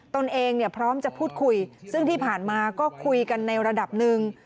ตนเองพร้อมจะพูดคุยซึ่งที่ผ่านมาก็คุยกันในระดับหนึ่ง